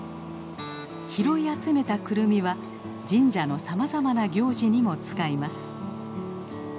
拾い集めたクルミは神社のさまざまな行事にも使います。